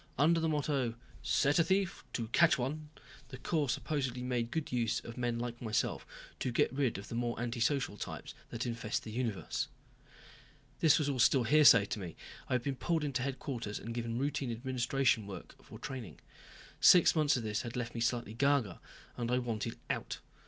Under the motto "Set a thief to catch one," the Corps supposedly made good use of men like myself to get rid of the more antisocial types that infest the universe. This was still all hearsay to me. I had been pulled into headquarters and given routine administration work for training. Six months of this had me slightly ga ga and I wanted out.